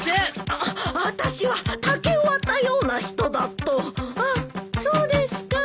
ああたしは竹を割ったような人だと。あそうですか。